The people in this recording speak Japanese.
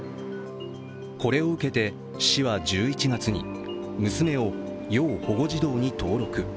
これを受けて市は１１月に娘を要保護児童に登録。